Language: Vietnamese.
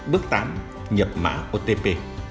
bước tám nhập mã otp